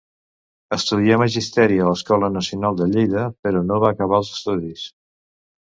Estudià magisteri a l'Escola Normal de Lleida, però no va acabar els estudis.